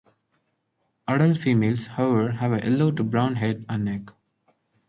Adult females, however, have a yellow to brown head and neck.